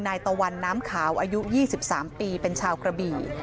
ตะวันน้ำขาวอายุ๒๓ปีเป็นชาวกระบี่